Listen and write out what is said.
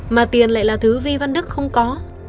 mà tiền lại là thứ vi văn đức không có